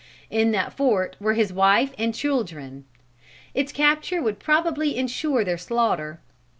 In that fort were his wife and his children. Its capture would probably insure their slaughter.